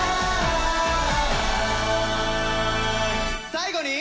最後に！